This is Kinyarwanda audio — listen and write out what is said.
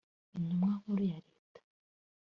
Intumwa Nkuru ya Leta